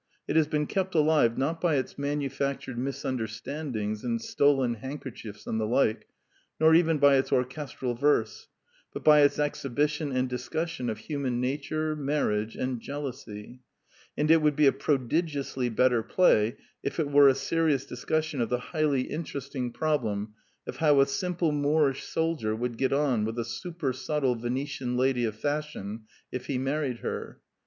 It has been kept alive, not by its manufactured misunderstandings and stolen hand kerchiefs and the like, nor even by its orchestral verse, but by its exhibition and discussion of human nature, marriage, and jealousy; and it would be a prodigiously better play if it were a serious discussion of the highly interesting prob lem of how a simple Moorish soldier would get on with a '^ supersubtle " Venetian lady of fashion if he married her.